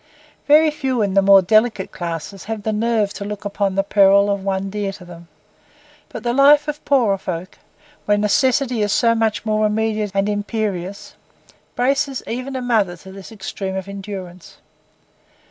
Very few in the more delicate classes have the nerve to look upon the peril of one dear to them; but the life of poorer folk, where necessity is so much more immediate and imperious, braces even a mother to this extreme of endurance.